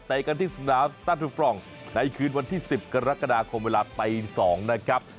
กันที่สนามสตาร์ทูฟรองในคืนวันที่๑๐กรกฎาคมเวลาตี๒นะครับ